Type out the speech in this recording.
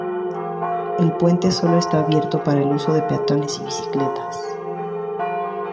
El puente solo está abierto para el uso de peatones y de bicicletas.